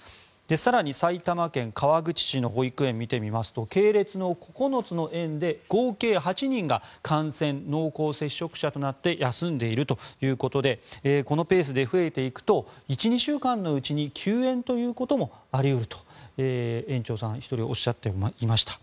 更に埼玉県川口市の保育園を見てみますと系列の９つの園で合計８人が感染、濃厚接触者となって休んでいるということでこのペースで増えていくと１２週間のうちに休園ということもあり得ると園長さんはおっしゃっていました。